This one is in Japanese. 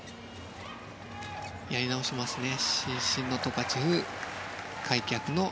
やり直しましたね。